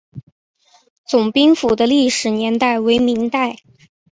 总兵府的历史年代为明代。